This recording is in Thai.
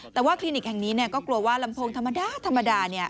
แต่ว่าคลินิกแห่งนี้ก็กลัวว่าลำโพงธรรมดาธรรมดา